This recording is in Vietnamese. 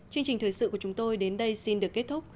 chương trình thời sự của chúng tôi đến đây xin được kết thúc